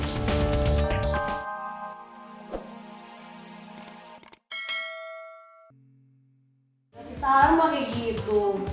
gak ada saran pake gitu